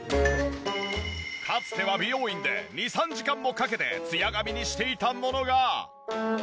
かつては美容院で２３時間もかけてツヤ髪にしていたものが。